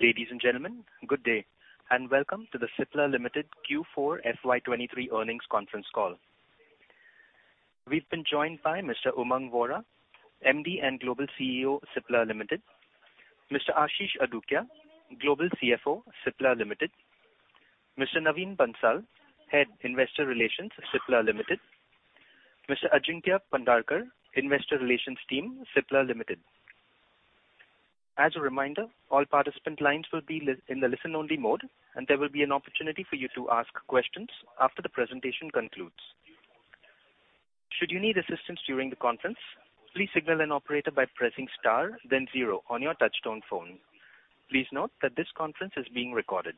Ladies and gentlemen, good day, and welcome to the Cipla Limited Q4 FY23 Earnings Conference Call. We've been joined by Mr. Umang Vohra, MD and Global CEO, Cipla Limited; Mr. Ashish Adukia, Global CFO, Cipla Limited; Mr. Naveen Bansal, Head, Investor Relations, Cipla Limited; Mr. Ajinkya Pandharkar, Investor Relations team, Cipla Limited. As a reminder, all participant lines will be in the listen-only mode, and there will be an opportunity for you to ask questions after the presentation concludes. Should you need assistance during the conference, please signal an operator by pressing star zero on your touch-tone phone. Please note that this conference is being recorded.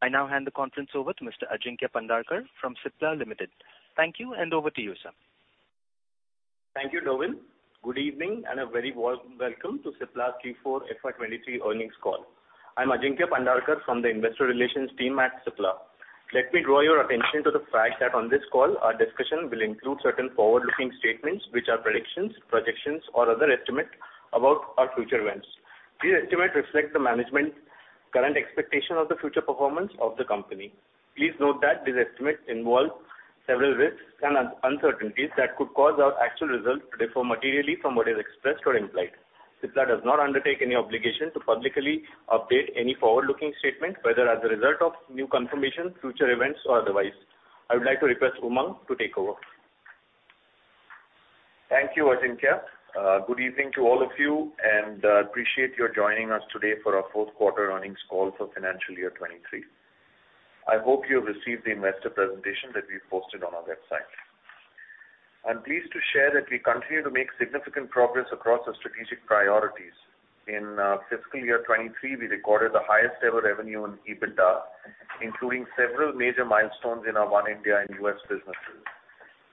I now hand the conference over to Mr. Ajinkya Pandharkar from Cipla Limited. Thank you, and over to you, sir. Thank you, Dovin. Good evening, and a very warm welcome to Cipla Q4 FY23 Earnings Call. I'm Ajinkya Pandharkar from the Investor Relations team at Cipla. Let me draw your attention to the fact that on this call, our discussion will include certain forward-looking statements, which are predictions, projections, or other estimate about our future events. These estimates reflect the management current expectation of the future performance of the company. Please note that these estimates involve several risks and uncertainties that could cause our actual results to differ materially from what is expressed or implied. Cipla does not undertake any obligation to publicly update any forward-looking statement, whether as a result of new confirmation, future events, or otherwise. I would like to request Umang to take over. Thank you, Ajinkya. Good evening to all of you. Appreciate your joining us today for our fourth quarter earnings call for financial year 23. I hope you have received the investor presentation that we've posted on our website. I'm pleased to share that we continue to make significant progress across our strategic priorities. In fiscal year 2023, we recorded the highest ever revenue in EBITDA, including several major milestones in our One India and U.S. businesses,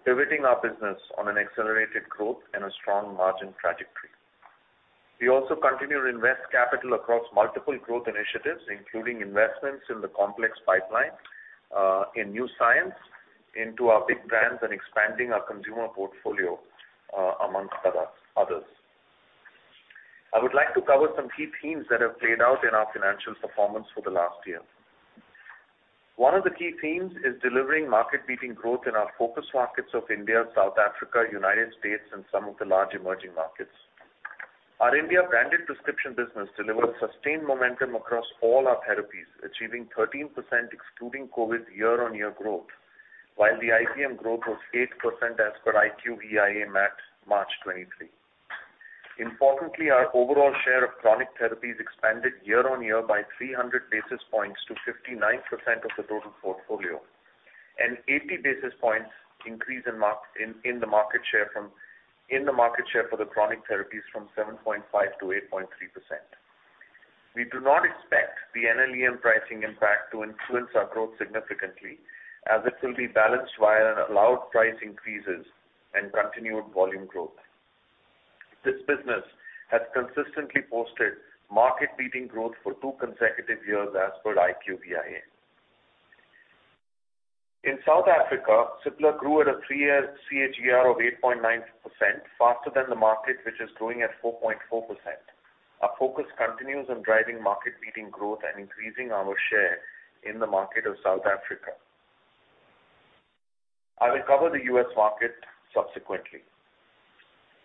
pivoting our business on an accelerated growth and a strong margin trajectory. We also continue to invest capital across multiple growth initiatives, including investments in the complex pipeline, in new science, into our big brands, and expanding our consumer portfolio amongst others. I would like to cover some key themes that have played out in our financial performance for the last year. One of the key themes is delivering market-leading growth in our focus markets of India, South Africa, U.S., and some of the large emerging markets. Our India Branded Prescription business delivered sustained momentum across all our therapies, achieving 13% excluding COVID year-on-year growth, while the IPM growth was 8% as per IQVIA MAT March 2023. Importantly, our overall share of chronic therapies expanded year-on-year by 300 basis points to 59% of the total portfolio, and 80 basis points increase in the market share for the chronic therapies from 7.5% to 8.3%. We do not expect the NLEM pricing impact to influence our growth significantly, as it will be balanced via allowed price increases and continued volume growth. This business has consistently posted market-leading growth for two consecutive years as per IQVIA. In South Africa, Cipla grew at a three-year CAGR of 8.9%, faster than the market, which is growing at 4.4%. Our focus continues on driving market-leading growth and increasing our share in the market of South Africa. I will cover the U.S. market subsequently.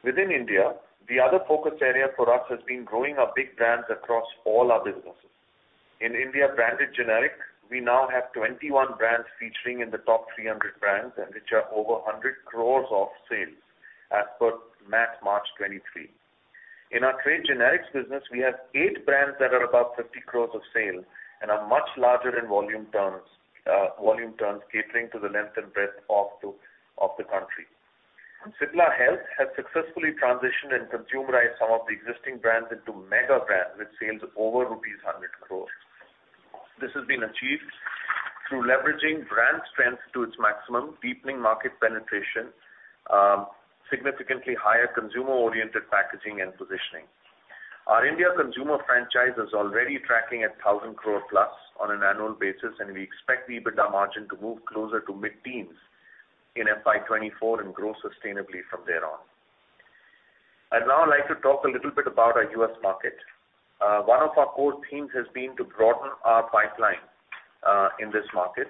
Within India, the other focus area for us has been growing our big brands across all our businesses. In India Branded Generic, we now have 21 brands featuring in the top 300 brands and which are over 100 crores of sales as per MAT March 2023. In our Trade Generics business, we have 8 brands that are above 50 crores of sale and are much larger in volume terms, catering to the length and breadth of the country. Cipla Health has successfully transitioned and consumerized some of the existing brands into mega brands with sales over rupees 100 crores. This has been achieved through leveraging brand strength to its maximum, deepening market penetration, significantly higher consumer-oriented packaging and positioning. Our India consumer franchise is already tracking at 1,000 crore plus on an annual basis. We expect the EBITDA margin to move closer to mid-teens in FY 2024 and grow sustainably from there on. I'd now like to talk a little bit about our US market. One of our core themes has been to broaden our pipeline in this market.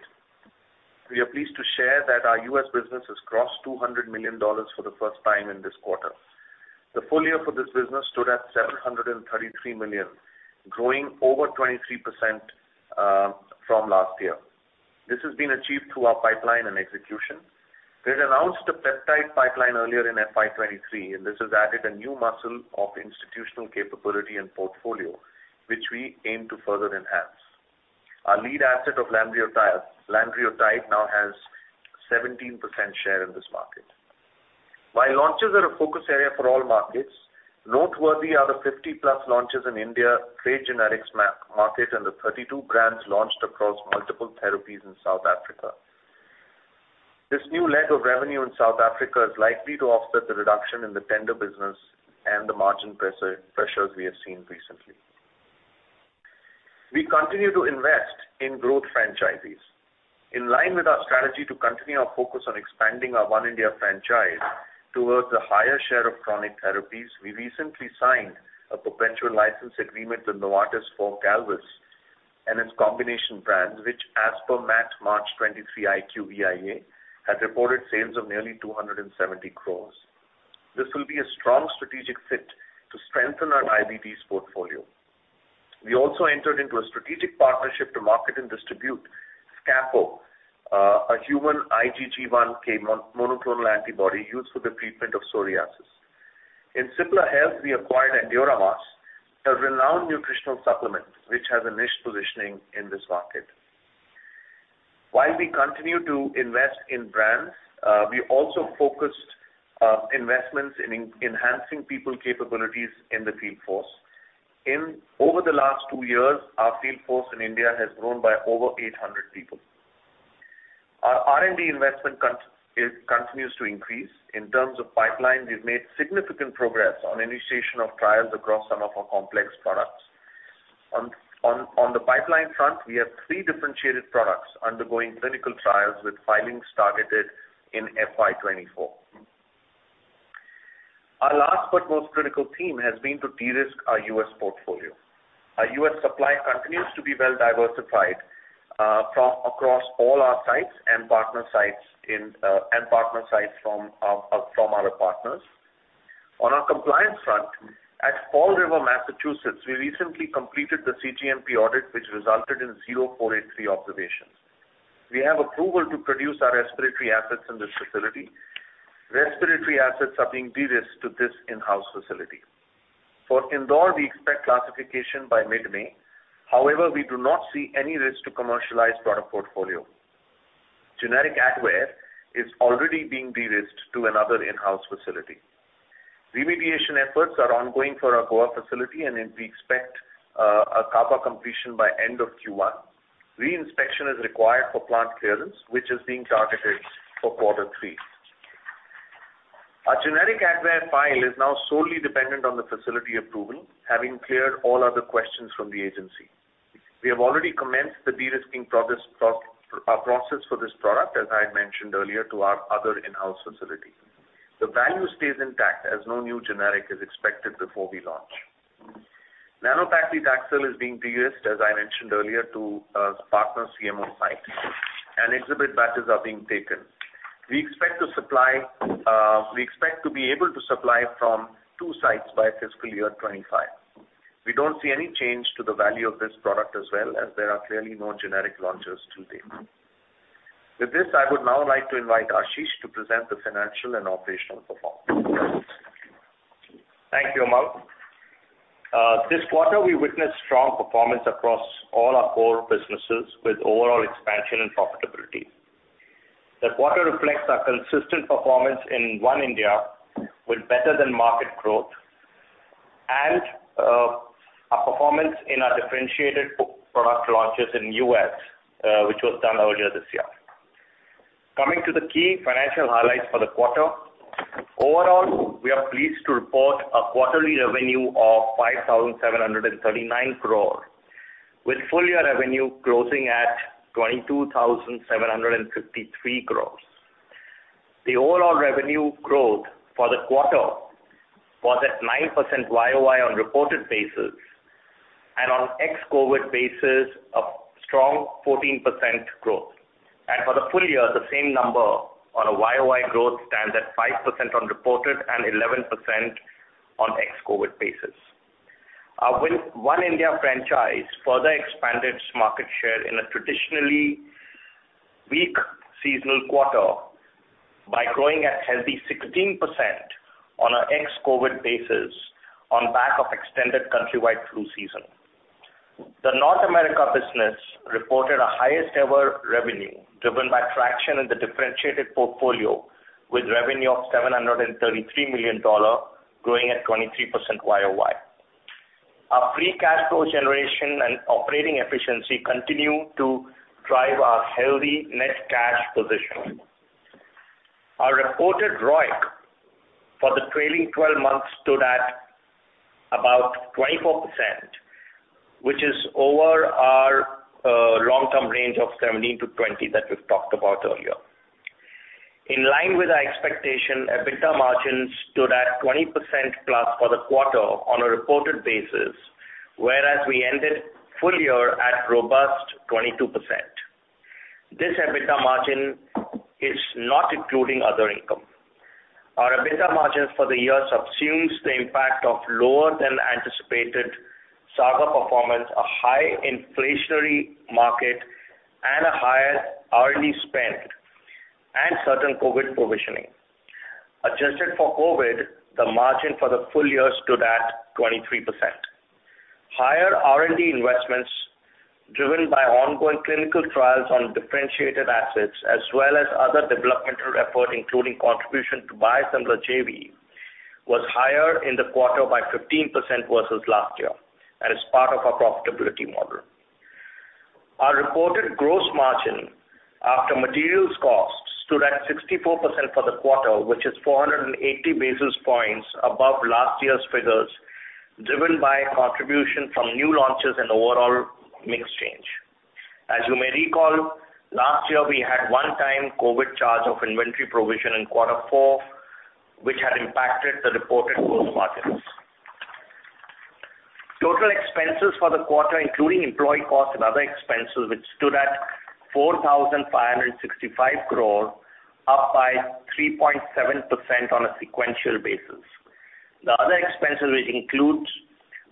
We are pleased to share that our U.S. business has crossed $200 million for the first time in this quarter. The full year for this business stood at $733 million, growing over 23% from last year. This has been achieved through our pipeline and execution. We had announced a peptide pipeline earlier in FY 2023, and this has added a new muscle of institutional capability and portfolio, which we aim to further enhance. Our lead asset of Lanreotide now has 17% share in this market. While launches are a focus area for all markets, noteworthy are the 50-plus launches in India, Trade Generics market, and the 32 brands launched across multiple therapies in South Africa. This new leg of revenue in South Africa is likely to offset the reduction in the tender business and the margin pressures we have seen recently. We continue to invest in growth franchises. In line with our strategy to continue our focus on expanding our One India franchise towards a higher share of chronic therapies, we recently signed a perpetual license agreement with Novartis for Galvus and its combination brands, which as per MAT March 2023 IQVIA, had reported sales of nearly 270 crores. This will be a strong strategic fit to strengthen our IBTs portfolio. We also entered into a strategic partnership to market and distribute Skyjo, a human IgG1 kappa monoclonal antibody used for the treatment of psoriasis. In Cipla Health, we acquired Endura Mass, a renowned nutritional supplement, which has a niche positioning in this market. While we continue to invest in brands, we also focused investments in enhancing people capabilities in the field force. In over the last two years, our field force in India has grown by over 800 people. Our R&D investment it continues to increase. In terms of pipeline, we've made significant progress on initiation of trials across some of our complex products. On the pipeline front, we have three differentiated products undergoing clinical trials with filings targeted in FY 2024. Our last but most critical theme has been to de-risk our U.S. portfolio. Our U.S. supply continues to be well diversified from across all our sites and partner sites in and partner sites from our partners. On our compliance front, at Fall River, Massachusetts, we recently completed the cGMP audit, which resulted in zero 483 observations. We have approval to produce our respiratory assets in this facility. Respiratory assets are being de-risked to this in-house facility. For Indore, we expect classification by mid-May. However, we do not see any risk to commercialized product portfolio. Generic Advair is already being de-risked to another in-house facility. Remediation efforts are ongoing for our Goa facility, and then we expect a CAPA completion by end of Q1. Reinspection is required for plant clearance, which is being targeted for Q3. Our generic Advair file is now solely dependent on the facility approval, having cleared all other questions from the agency. We have already commenced the de-risking process for this product, as I had mentioned earlier, to our other in-house facility. The value stays intact as no new generic is expected before we launch. Nanoparticle paclitaxel is being de-risked, as I mentioned earlier, to a partner CMO site, and exhibit batches are being taken. We expect to be able to supply from two sites by fiscal year 2025. We don't see any change to the value of this product as well, as there are clearly no generic launches to date. With this, I would now like to invite Ashish to present the financial and operational performance. Thank you, Amit. This quarter, we witnessed strong performance across all our core businesses with overall expansion and profitability. The quarter reflects our consistent performance in One India with better than market growth and a performance in our differentiated product launches in U.S., which was done earlier this year. Coming to the key financial highlights for the quarter. Overall, we are pleased to report a quarterly revenue of 5,739 crore, with full year revenue closing at 22,753 crore. The overall revenue growth for the quarter was at 9% YOY on reported basis, on ex-COVID basis, a strong 14% growth. For the full year, the same number on a YOY growth stands at 5% on reported and 11% on ex-COVID basis. Our One India franchise further expanded its market share in a traditionally weak seasonal quarter by growing a healthy 16% on an ex-COVID basis on back of extended countrywide flu season. The North America business reported our highest ever revenue, driven by traction in the differentiated portfolio, with revenue of $733 million, growing at 23% YOY. Our free cash flow generation and operating efficiency continue to drive our healthy net cash position. Our reported ROIC for the trailing 12 months stood at about 24%, which is over our long-term range of 17%-20% that we've talked about earlier. In line with our expectation, EBITDA margin stood at 20%+ for the quarter on a reported basis, whereas we ended full year at robust 22%. This EBITDA margin is not including other income. Our EBITDA margin for the year subsumes the impact of lower than anticipated SAGA performance, a high inflationary market, and a higher RD spend, and certain COVID provisioning. Adjusted for COVID, the margin for the full year stood at 23%. Higher R&D investments driven by ongoing clinical trials on differentiated assets as well as other developmental effort, including contribution to Biosimilar JV, was higher in the quarter by 15% versus last year and is part of our profitability model. Our reported gross margin after materials costs stood at 64% for the quarter, which is 480 basis points above last year's figures, driven by contribution from new launches and overall mix change. As you may recall, last year we had one-time COVID charge of inventory provision in quarter four, which had impacted the reported gross margins. Total expenses for the quarter, including employee costs and other expenses, which stood at 4,565 crore, up by 3.7% on a sequential basis. The other expenses, which includes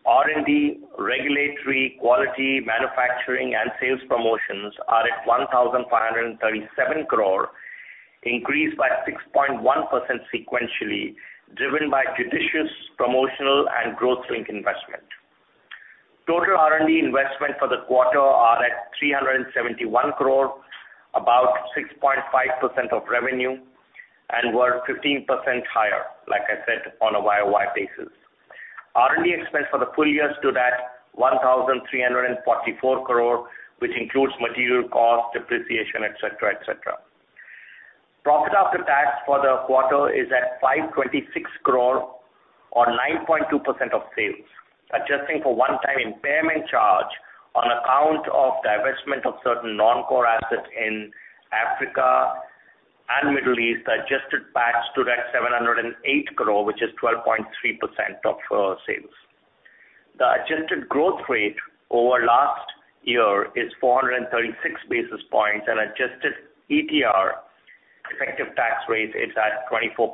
R&D, regulatory, quality, manufacturing, and sales promotions, are at 1,537 crore, increased by 6.1% sequentially, driven by judicious promotional and growth link investment. Total R&D investment for the quarter are at 371 crore, about 6.5% of revenue, and were 15% higher, like I said, on a year-over-year basis. R&D expense for the full year stood at 1,344 crore, which includes material cost, depreciation, et cetera, et cetera. Profit after tax for the quarter is at 526 crore or 9.2% of sales. Adjusting for one-time impairment charge on account of divestment of certain non-core assets in Africa and Middle East, adjusted PAT stood at 708 crore, which is 12.3% of sales. The adjusted growth rate over last year is 436 basis points, adjusted ETR, effective tax rate, is at 24%.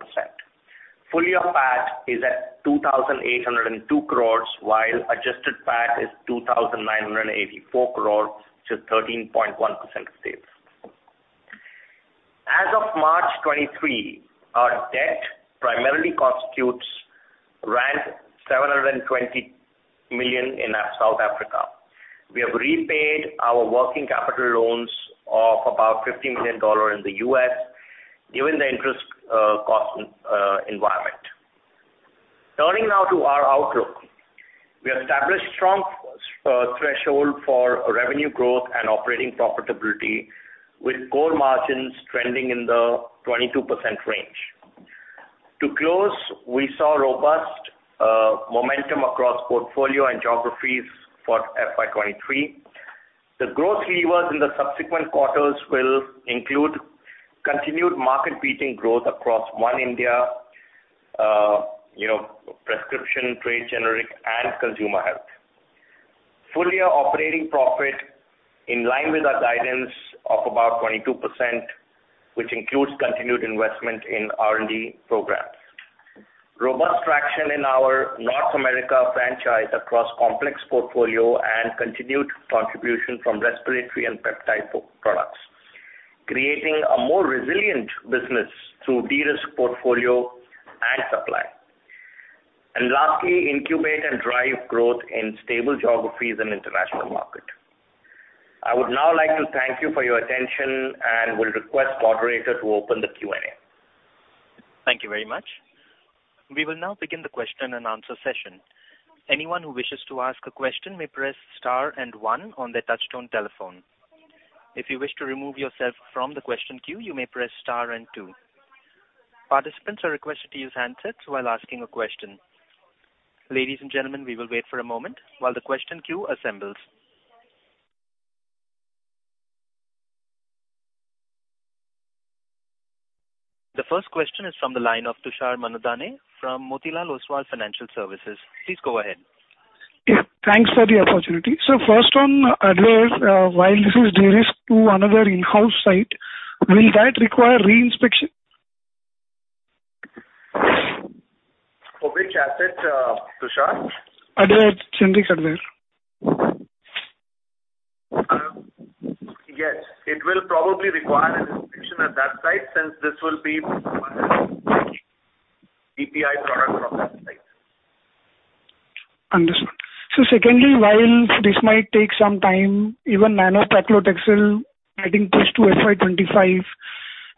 Full year PAT is at 2,802 crore, while adjusted PAT is 2,984 crore to 13.1% sales. As of March 2023, our debt primarily constitutes 720 million in South Africa. We have repaid our working capital loans of about $50 million in the U.S., given the interest cost environment. Turning now to our outlook. We have established strong threshold for revenue growth and operating profitability with core margins trending in the 22% range. To close, we saw robust momentum across portfolio and geographies for FY 2023. The growth levers in the subsequent quarters will include continued market-beating growth across One India, you know, prescription, Trade Generics, and consumer health. Full year operating profit in line with our guidance of about 22%, which includes continued investment in R&D programs. Robust traction in our North America franchise across complex portfolio and continued contribution from respiratory and peptide products. Creating a more resilient business through de-risked portfolio and supply. Lastly, incubate and drive growth in stable geographies and international market. I would now like to thank you for your attention and will request moderator to open the Q&A. Thank you very much. We will now begin the question-and-answer session. Anyone who wishes to ask a question may press star and one on their touch-tone telephone. If you wish to remove yourself from the question queue, you may press star and two. Participants are requested to use handsets while asking a question. Ladies and gentlemen, we will wait for a moment while the question queue assembles. The first question is from the line of Tushar Manudhane from Motilal Oswal Financial Services. Please go ahead. Yeah, thanks for the opportunity. First on Adelaide, while this is de-risked to another in-house site, will that require re-inspection? Which asset, Tushar? Adelaide, Centric Adelaide. Yes, it will probably require an inspection at that site since this will be API product from that site. Understood. Secondly, while this might take some time, even nanoparticle paclitaxel getting pushed to FY 25,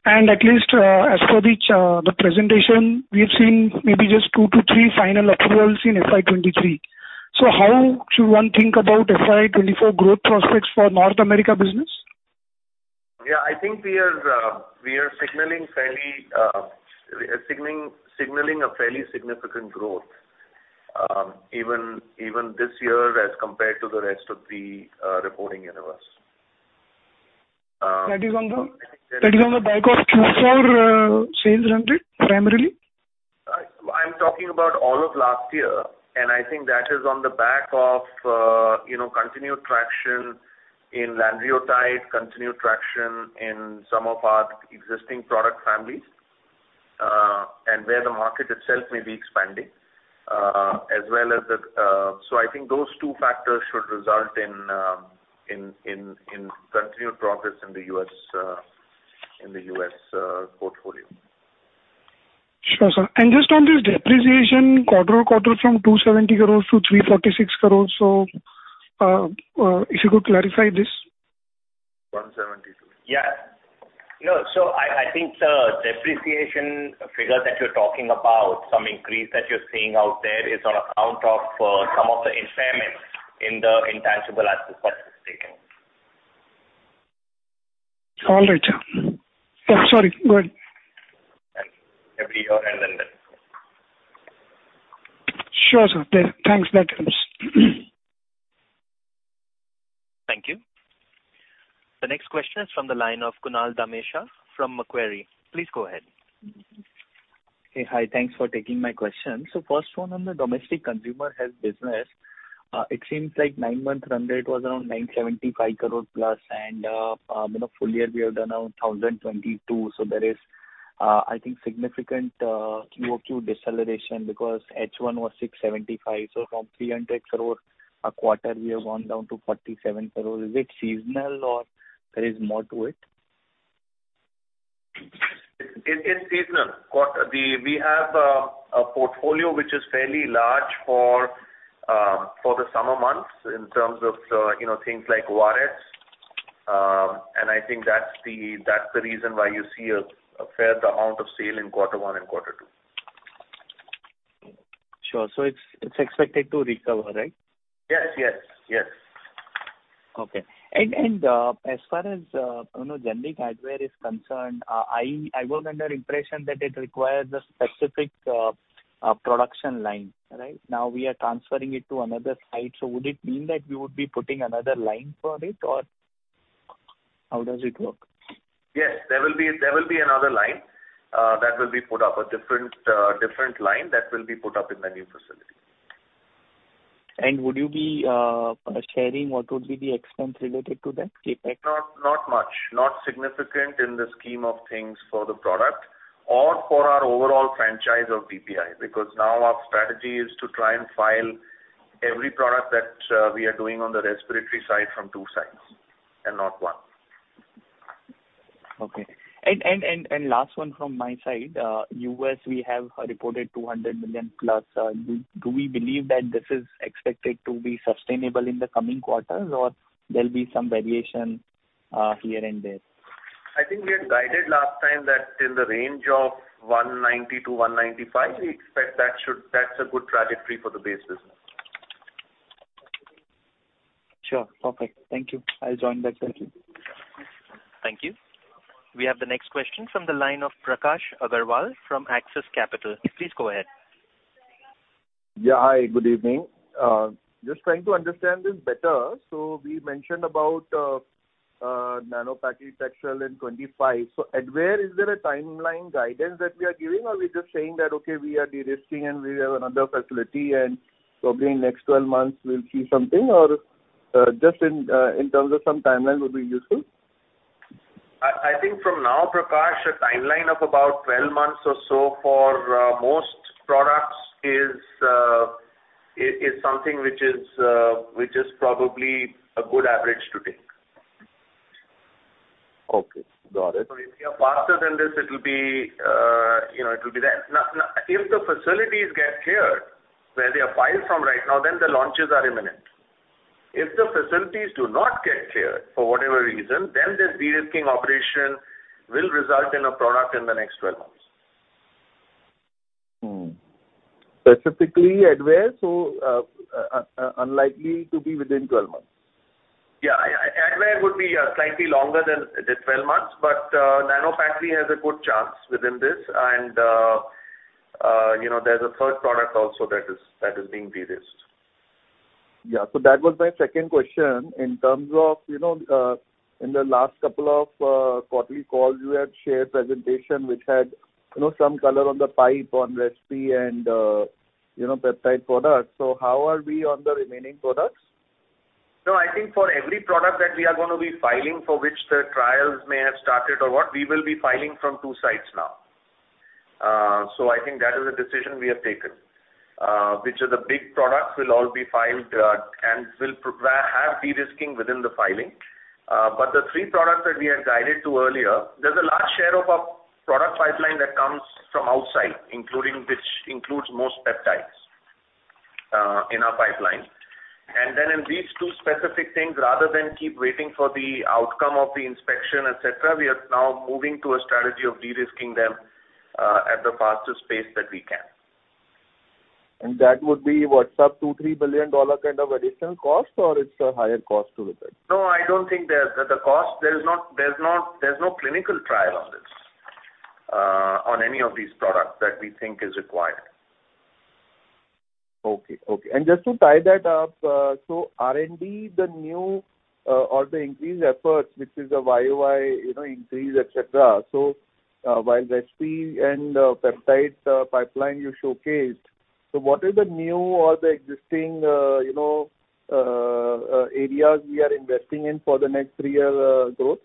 and at least, as per the presentation, we have seen maybe just two-three final approvals in FY 2023. How should one think about FY 2024 growth prospects for North America business? I think we are signaling a fairly significant growth even this year as compared to the rest of the reporting universe. That is on the back of Q4 sales run rate primarily? I'm talking about all of last year, and I think that is on the back of, you know, continued traction in Lanreotide, continued traction in some of our existing product families, and where the market itself may be expanding, as well as the... I think those two factors should result in continued progress in the U.S., in the U.S. portfolio. Sure, sir. Just on this depreciation quarter-over-quarter from 270 crores to 346 crores. If you could clarify this. 172. Yeah. No, I think the depreciation figure that you're talking about, some increase that you're seeing out there is on account of some of the impairment in the intangible assets that we've taken. All right. Oh, sorry, go ahead. Every year end and then... Sure, sir. Thanks. That helps. Thank you. The next question is from the line of Kunal Dhamesha from Macquarie. Please go ahead. Okay. Hi. Thanks for taking my question. First one on the domestic consumer health business. It seems like nine months under it was around 975 crore plus and in a full year we have done around 1,022. There is, I think significant QOQ deceleration because H1 was 675. From 300 crore a quarter, we have gone down to 47 crore. Is it seasonal or there is more to it? It is seasonal. We have a portfolio which is fairly large for the summer months in terms of, you know, things like ORS. I think that's the reason why you see a fair amount of sale in quarter one and quarter two. Sure. It's expected to recover, right? Yes. Yes. Yes. Okay. As far as, you know, Advair is concerned, I was under impression that it requires a specific production line, right? Now we are transferring it to another site. Would it mean that we would be putting another line for it or how does it work? Yes. There will be another line that will be put up. A different line that will be put up in the new facility. Would you be sharing what would be the expense related to that, CapEx? Not much. Not significant in the scheme of things for the product or for our overall franchise of BPI, because now our strategy is to try and file every product that we are doing on the respiratory side from two sides and not one. Okay. Last one from my side. U.S., we have reported $200 million+. Do we believe that this is expected to be sustainable in the coming quarters or there'll be some variation, here and there? I think we had guided last time that in the range of $190-$195. That's a good trajectory for the base business. Sure. Perfect. Thank you. I'll join back. Thank you. Thank you. We have the next question from the line of Prakash Agarwal from Axis Capital. Please go ahead. Yeah. Hi, good evening. Just trying to understand this better. We mentioned about nano facility special in 25. At where is there a timeline guidance that we are giving or we're just saying that, okay, we are de-risking and we have another facility and probably in next 12 months we'll see something or, just in terms of some timeline would be useful? I think from now, Prakash, a timeline of about 12 months or so for most products is something which is probably a good average to take. Okay. Got it. If we are faster than this, it'll be, you know, it will be that. If the facilities get cleared, where they are filed from right now, then the launches are imminent. If the facilities do not get cleared for whatever reason, then this de-risking operation will result in a product in the next 12 months. Specifically at where? unlikely to be within 12 months. At where would be, slightly longer than the 12 months, but nano facility has a good chance within this. You know, there's a third product also that is being de-risked. Yeah. That was my second question. In terms of, you know, in the last couple of quarterly calls, you had shared presentation which had, you know, some color on the pipe on Respi and, you know, peptide products. How are we on the remaining products? No, I think for every product that we are gonna be filing for which the trials may have started or what, we will be filing from two sites now. I think that is a decision we have taken. Which of the big products will all be filed and will have de-risking within the filing. The three products that we had guided to earlier, there's a large share of our product pipeline that comes from outside, including, which includes most peptides in our pipeline. In these two specific things, rather than keep waiting for the outcome of the inspection, et cetera, we are now moving to a strategy of de-risking them at the fastest pace that we can. That would be what's up $2 billion-$3 billion kind of additional cost or it's a higher cost to return? There's no clinical trial on this, on any of these products that we think is required. Okay. To tie that up, R&D, the new or the increased efforts, which is a year-over-year, you know, increase, et cetera. While Respi and peptide pipeline you showcased, what is the new or the existing areas we are investing in for the next three-year growth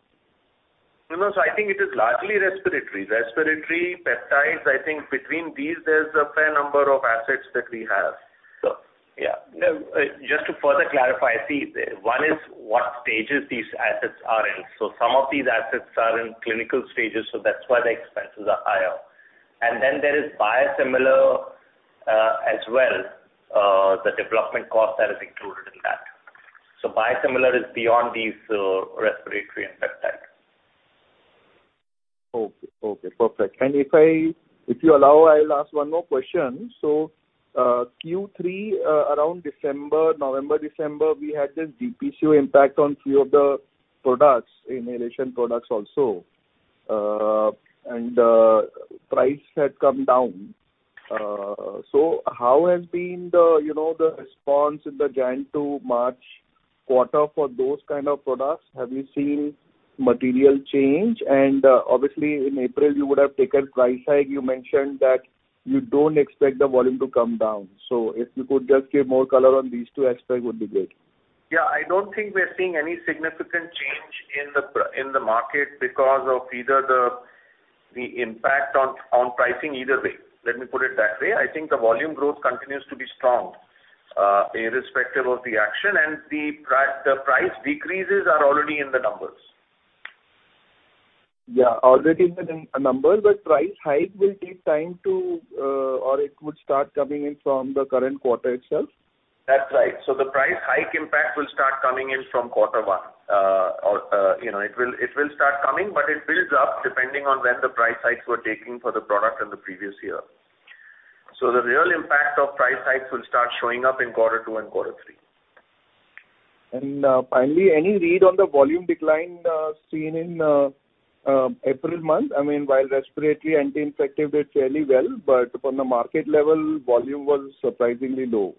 No, no. I think it is largely respiratory. Respiratory, peptides, I think between these there's a fair number of assets that we have. Yeah. Just to further clarify, see, one is what stages these assets are in. Some of these assets are in clinical stages, so that's why the expenses are higher. There is biosimilar As well, the development cost that is included in that. Biosimilar is beyond these, respiratory and peptide. Okay. Okay, perfect. If I, if you allow, I'll ask one more question. Q3 around December November, December, we had this DPCO impact on few of the products, inhalation products also. Price had come down. How has been the, you know, the response in the January to March quarter for those kind of products? Have you seen material change? Obviously, in April you would have taken price hike. You mentioned that you don't expect the volume to come down. If you could just give more color on these two aspects would be great. Yeah, I don't think we're seeing any significant change in the market because of either the impact on pricing either way. Let me put it that way. I think the volume growth continues to be strong, irrespective of the action, and the price decreases are already in the numbers. Already in the numbers, price hike will take time to, or it would start coming in from the current quarter itself? That's right. The price hike impact will start coming in from quarter one. Or, you know, it will start coming, but it builds up depending on when the price hikes were taking for the product in the previous year. The real impact of price hikes will start showing up in quarter two and quarter three. Finally, any read on the volume decline seen in April month? I mean, while respiratory anti-infective did fairly well, but from the market level, volume was surprisingly low.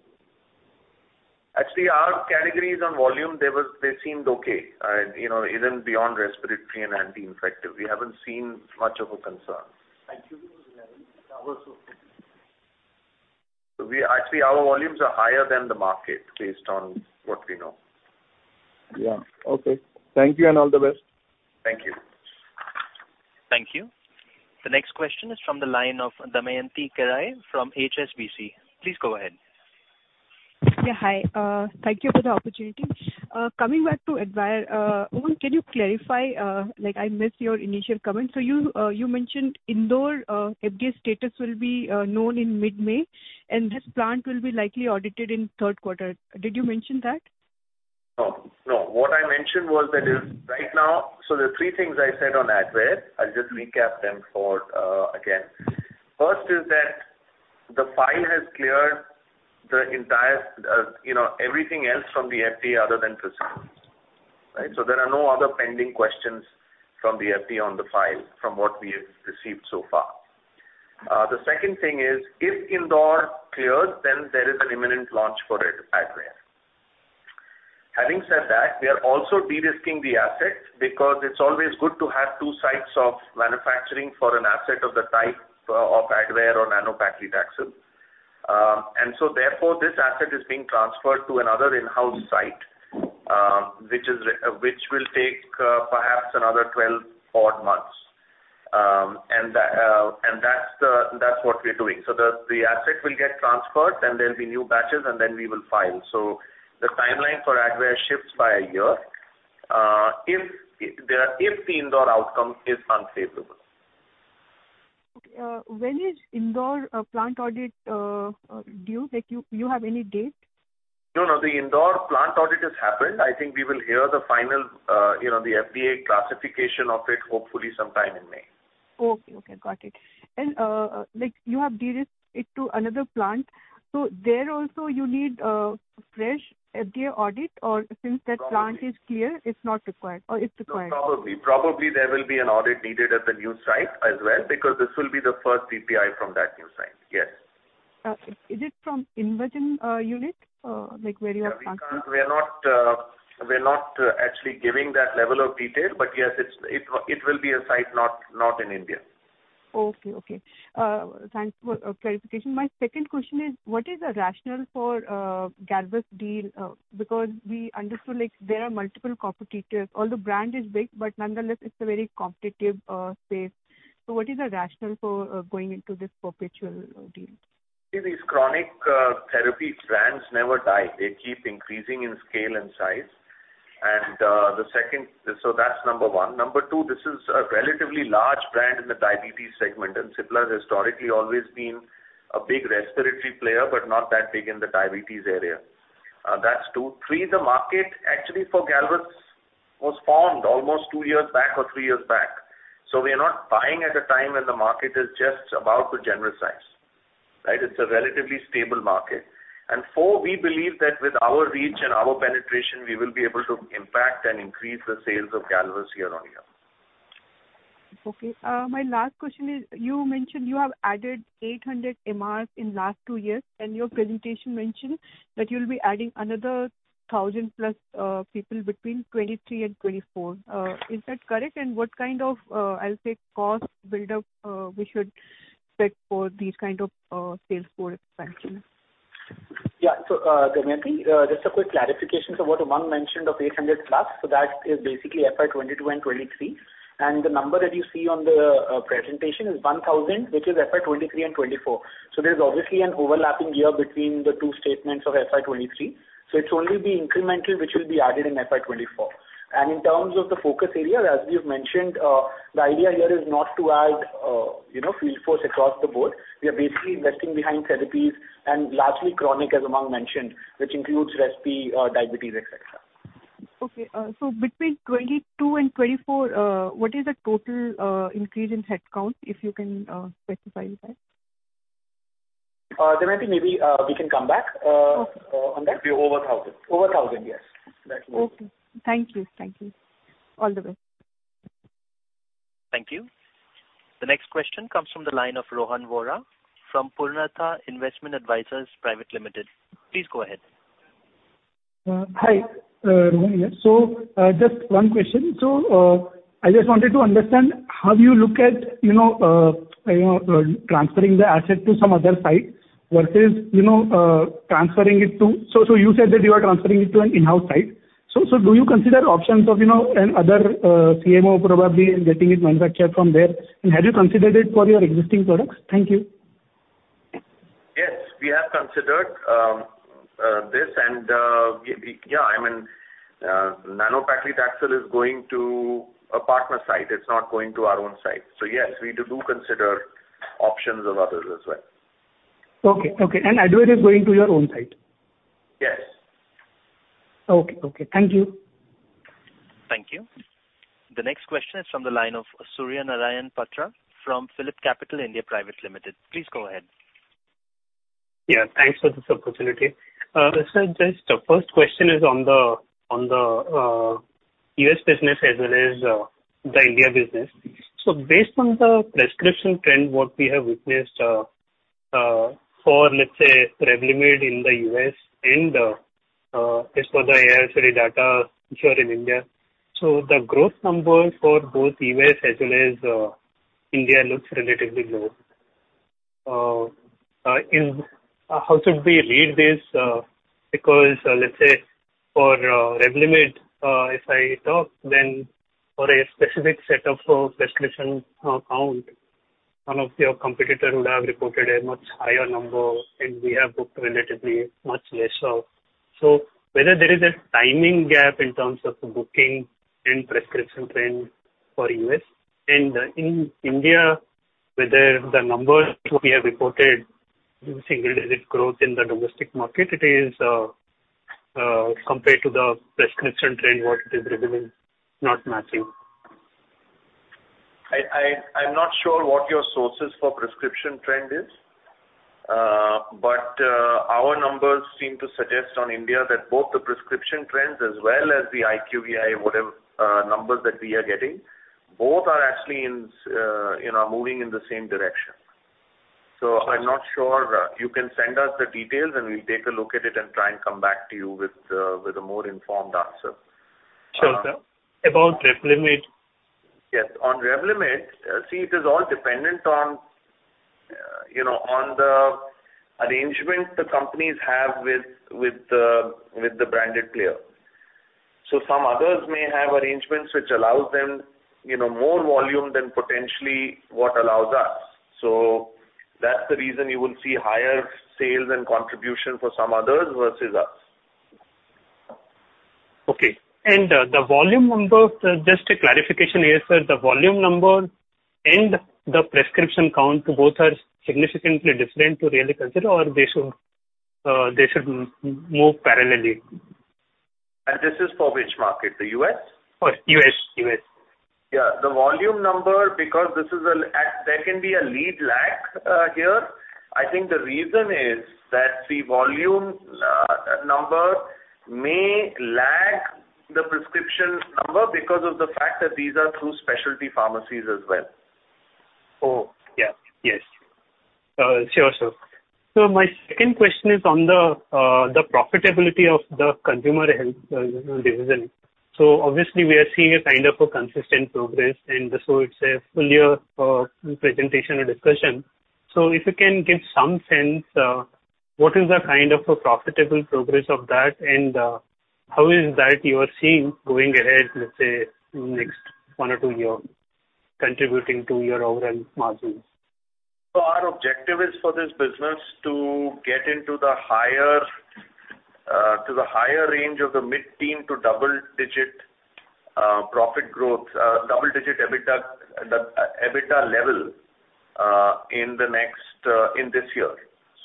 Actually, our categories on volume, they were, they seemed okay. You know, even beyond respiratory and anti-infective. We haven't seen much of a concern. Thank you. Actually, our volumes are higher than the market based on what we know. Yeah. Okay. Thank you, and all the best. Thank you. Thank you. The next question is from the line of Damayanti Kerai from HSBC. Please go ahead. Yeah, hi. Thank you for the opportunity. Coming back to Advair, Umang, can you clarify, like I missed your initial comment. You mentioned Indore, FDA status will be known in mid-May, and this plant will be likely audited in third quarter. Did you mention that? No, no. What I mentioned was that is right now. There are three things I said on Advair. I'll just recap them for again. First is that the file has cleared the entire, you know, everything else from the FDA other than PAI, right? There are no other pending questions from the FDA on the file from what we have received so far. The second thing is, if Indore clears, there is an imminent launch for Advair. Having said that, we are also de-risking the asset because it's always good to have two sites of manufacturing for an asset of the type of Advair or Nanopaclitaxel. Therefore this asset is being transferred to another in-house site, which will take perhaps another 12 odd months. That's what we're doing. The asset will get transferred, then there'll be new batches, and then we will file. The timeline for Advair shifts by a year, if the Indore outcome is unfavorable. Okay. When is Indore plant audit due? Like, you have any date? No, no. The Indore plant audit has happened. I think we will hear the final, you know, the FDA classification of it hopefully sometime in May. Okay. Okay. Got it. Like you have de-risked it to another plant, there also you need fresh FDA audit? Probably. -plant is clear, it's not required or it's required? No, probably. Probably there will be an audit needed at the new site as well, because this will be the first PPI from that new site. Yes. Okay. Is it from InvaGen unit? Like where you have transferred? We're not actually giving that level of detail. Yes, it's, it will be a site not in India. Okay. Okay. Thanks for clarification. My second question is what is the rationale for Galvus deal? Because we understood, like, there are multiple competitors. Although brand is big, but nonetheless, it's a very competitive space. What is the rationale for going into this perpetual deal? See, these chronic therapy brands never die. They keep increasing in scale and size. So that's number one. Number two, this is a relatively large brand in the diabetes segment, Cipla historically always been a big respiratory player but not that big in the diabetes area. That's two. Three, the market actually for Galvus was formed almost two years back or three years back. We are not buying at a time when the market is just about to generalize, right. It's a relatively stable market. Four, we believe that with our reach and our penetration, we will be able to impact and increase the sales of Galvus year on year. Okay. My last question is, you mentioned you have added 800 MRs in last two years. Your presentation mentioned that you'll be adding another 1,000 plus people between 2023 and 2024. Is that correct? What kind of, I'll say cost build-up we should expect for these kind of sales force expansion? Damayanti, just a quick clarification. What Umang mentioned of 800 plus, so that is basically FY 2022 and 2023. The number that you see on the presentation is 1,000, which is FY 2023 and 2024. There's obviously an overlapping year between the two statements of FY 2023. It's only the incremental which will be added in FY 2024. In terms of the focus area, as we've mentioned, the idea here is not to add, you know, field force across the board. We are basically investing behind therapies and largely chronic, as Umang mentioned, which includes respi, diabetes, et cetera. Okay. Between 2022 and 2024, what is the total increase in headcount, if you can, specify that? Damayanti, maybe, we can come back. Okay. on that. We're over 1,000. Over 1,000, yes. Okay. Thank you. Thank you. All the best. Thank you. The next question comes from the line of Rohan Vora from Purnartha Investment Advisors Private Limited. Please go ahead. Hi. Rohan here. Just one question. I just wanted to understand how you look at, you know, you know, transferring the asset to some other site versus, you know. You said that you are transferring it to an in-house site. Do you consider options of, you know, an other CMO probably and getting it manufactured from there? Have you considered it for your existing products? Thank you. Yes, we have considered this and, Yeah, I mean, nanoparticle paclitaxel is going to a partner site. It's not going to our own site. Yes, we do consider options of others as well. Okay, okay. Adukia is going to your own site? Yes. Okay, okay. Thank you. Thank you. The next question is from the line of Surya Narayan Patra from PhillipCapital (India) Private Limited. Please go ahead. Yeah, thanks for this opportunity. Just the first question is on the U.S. business as well as the India business. Based on the prescription trend, what we have witnessed for, let's say, Revlimid in the U.S. and as for the AIS data here in India. The growth number for both U.S. as well as India looks relatively low. How should we read this? because, let's say, for Revlimid, if I talk then for a specific set of prescription count, some of your competitor would have reported a much higher number, and we have booked relatively much less. Whether there is a timing gap in terms of the booking and prescription trend for U.S. and in India, whether the numbers which we have reported, the single digit growth in the domestic market, it is compared to the prescription trend, what it is revealing, not matching. I'm not sure what your sources for prescription trend is. But our numbers seem to suggest on India that both the prescription trends as well as the IQVIA whatever numbers that we are getting, both are actually, you know, moving in the same direction. I'm not sure. You can send us the details, and we'll take a look at it and try and come back to you with a more informed answer. Sure, sir. About Revlimid. Yes. On Revlimid, see, it is all dependent on, you know, on the arrangement the companies have with the branded player. Some others may have arrangements which allows them, you know, more volume than potentially what allows us. That's the reason you will see higher sales and contribution for some others versus us. Okay. The volume number, just a clarification here, sir. The volume number and the prescription count, both are significantly different to really consider or they should, they should move parallelly. This is for which market? The U.S.? Oh, U.S., U.S. The volume number, there can be a lead lag here. I think the reason is that the volume number may lag the prescription number because of the fact that these are through specialty pharmacies as well. Oh, yeah. Yes. Sure, sir. My second question is on the profitability of the consumer health, you know, division. Obviously, we are seeing a kind of a consistent progress, and it's a full year presentation and discussion. If you can give some sense, what is the kind of a profitable progress of that and, how is that you are seeing going ahead, let's say, next one or two year contributing to your overall margins? Our objective is for this business to get into the higher range of the mid-teen to double-digit profit growth, double-digit EBITDA level in this year.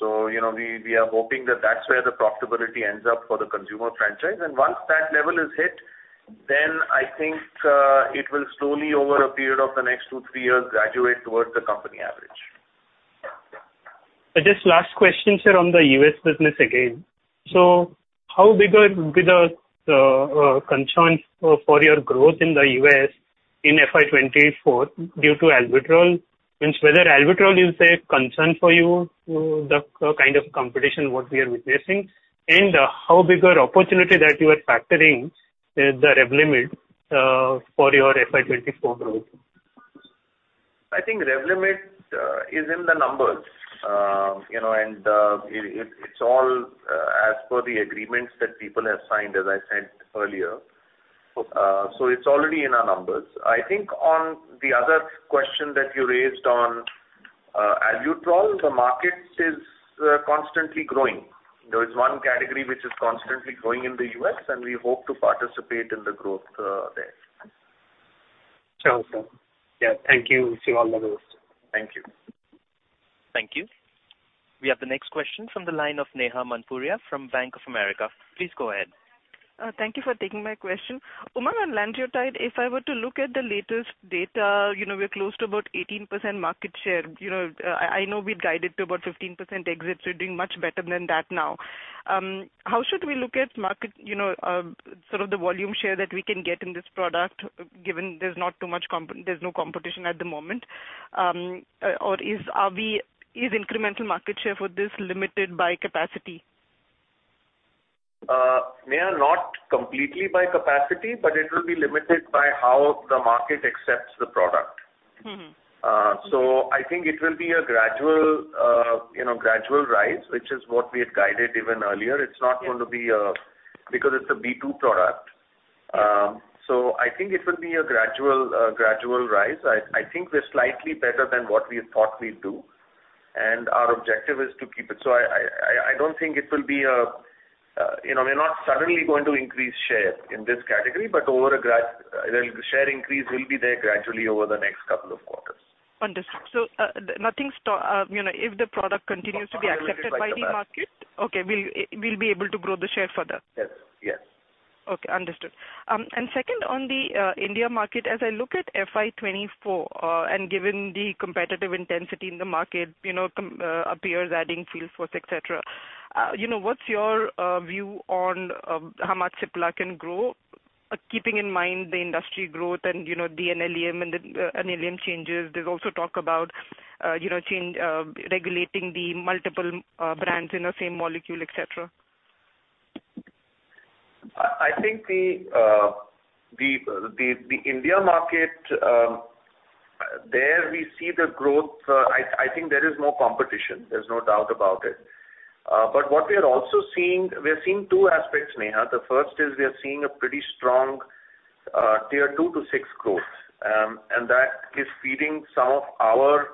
You know, we are hoping that that's where the profitability ends up for the consumer franchise. Once that level is hit, then I think, it will slowly over a period of the next two, three years graduate towards the company average. Just last question, sir, on the U.S. business again. How big are the concerns for your growth in the U.S. in FY 2024 due to Albuterol, means whether Albuterol is a concern for you, the kind of competition what we are witnessing, and how big are opportunity that you are factoring the Revlimid for your FY 2024 growth? I think Revlimid is in the numbers. You know, it's all as per the agreements that people have signed, as I said earlier. Okay. It's already in our numbers. I think on the other question that you raised on, Albuterol, the market is constantly growing. There is one category which is constantly growing in the U.S., and we hope to participate in the growth there. Sure, sir. Thank you. See you all the best. Thank you. Thank you. We have the next question from the line of Neha Manpuria from Bank of America. Please go ahead. Thank you for taking my question. Umang, on Lanreotide, if I were to look at the latest data, you know, we're close to about 18% market share. You know, I know we've guided to about 15% exits. We're doing much better than that now. How should we look at market sort of the volume share that we can get in this product, given there's not too much there's no competition at the moment, Is incremental market share for this limited by capacity? Neha, not completely by capacity, but it will be limited by how the market accepts the product. Mm-hmm. I think it will be a gradual, you know, gradual rise, which is what we had guided even earlier. Yeah. It's not going to be. Because it's a B2B product. I think it will be a gradual rise. I think we're slightly better than what we had thought we'd do, and our objective is to keep it. I don't think it will be, you know, we're not suddenly going to increase share in this category, but the share increase will be there gradually over the next couple of quarters. Understood. you know, if the product continues to be accepted by the market. Accepted by the market. Okay, we'll be able to grow the share further. Yes, yes. Okay, understood. And second, on the India market, as I look at FY 2024, and given the competitive intensity in the market, appears adding field force, et cetera, what's your view on how much Cipla can grow, keeping in mind the industry growth and the NLEM and the NLEM changes. There's also talk about change regulating the multiple brands in the same molecule, et cetera. I think the India market, there we see the growth. I think there is more competition, there's no doubt about it. What we are also seeing, we are seeing two aspects, Neha. The first is we are seeing a pretty strong, tier 2 to 6 growth. And that is feeding some of our,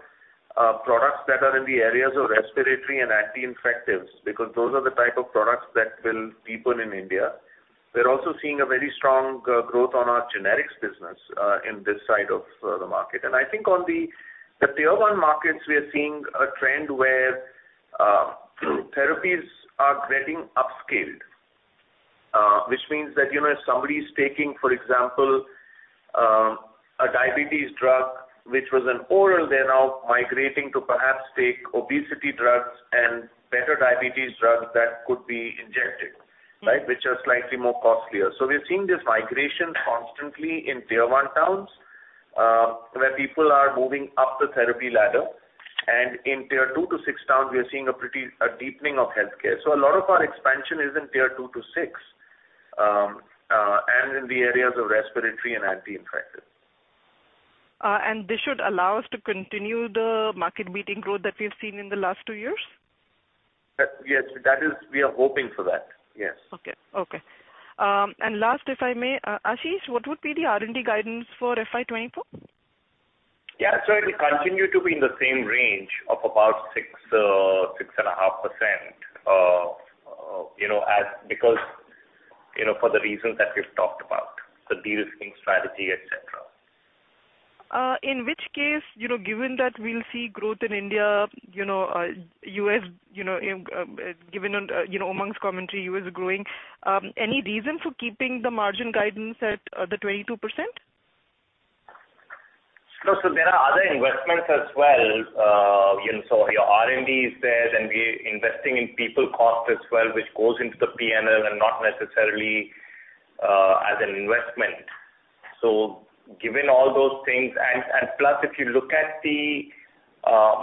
products that are in the areas of respiratory and anti-infectives, because those are the type of products that will deepen in India. We're also seeing a very strong, growth on our generics business, in this side of the market. I think on the tier one markets, we are seeing a trend where therapies are getting upscaled, which means that, you know, somebody is taking, for example, a diabetes drug, which was an oral, they're now migrating to perhaps take obesity drugs and better diabetes drugs that could be injected. Mm-hmm. Right? Which are slightly more costlier. We are seeing this migration constantly in tier one towns, where people are moving up the therapy ladder. In tier two to six towns, we are seeing a deepening of healthcare. A lot of our expansion is in tier two to six, and in the areas of respiratory and anti-infectives. this should allow us to continue the market-beating growth that we've seen in the last two years? Yes. We are hoping for that. Yes. Okay. Okay. Last, if I may, Ashish, what would be the R&D guidance for FY 24? Yeah. It will continue to be in the same range of about 6.5%, you know, because, you know, for the reasons that we've talked about, the de-risking strategy, et cetera. In which case, you know, given that we'll see growth in India, you know, U.S., you know, given, you know, Umang's commentary, U.S. growing, any reason for keeping the margin guidance at the 22%? There are other investments as well. you know, so your R&D is there, and we're investing in people cost as well, which goes into the P&L and not necessarily as an investment. Given all those things, and plus, if you look at the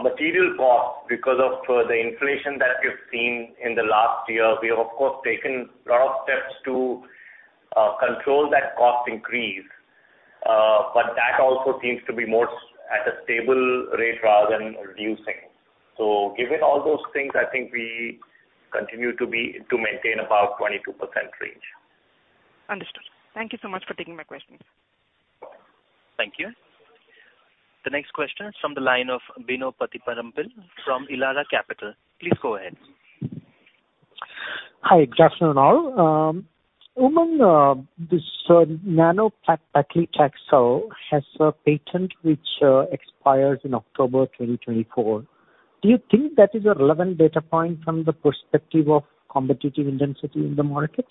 material cost because of the inflation that we've seen in the last year, we have of course taken a lot of steps to control that cost increase. But that also seems to be more at a stable rate rather than reducing. Given all those things, I think we continue to maintain about 22% range. Understood. Thank you so much for taking my questions. Thank you. The next question is from the line of Bino Pathiparampil from Elara Capital. Please go ahead. Hi. Good afternoon, all. Umang, this, Nanopaclitaxel has a patent which, expires in October 2024. Do you think that is a relevant data point from the perspective of competitive intensity in the market?